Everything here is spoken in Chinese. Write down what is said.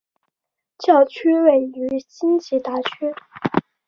教区位于辛吉达区。